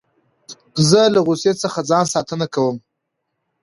زه له غوسې څخه ځان ساتنه کوم.